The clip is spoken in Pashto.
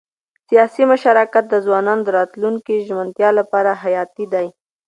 سیاسي مشارکت د ځوانانو د راتلونکي ژمنتیا لپاره حیاتي دی